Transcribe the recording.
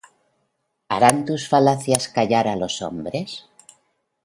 ¿Harán tus falacias callar á los hombres?